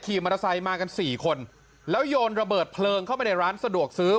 มอเตอร์ไซค์มากันสี่คนแล้วโยนระเบิดเพลิงเข้าไปในร้านสะดวกซื้อ